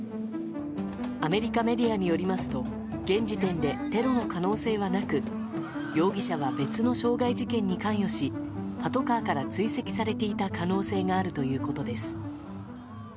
アメリカメディアによりますと現時点でテロの可能性はなく容疑者は別の傷害事件に関与しパトカーから追跡されていた可能性があるということです。